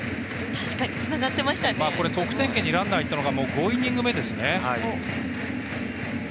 得点圏にランナーいったの５イニング目ですね。